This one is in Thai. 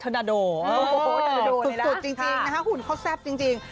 โทรโทรโทรจุดจุดจริงหุ่นเขาซับจริง